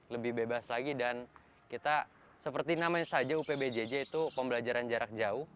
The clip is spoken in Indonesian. lebih bebas lagi dan kita seperti namanya saja upbjj itu pembelajaran jarak jauh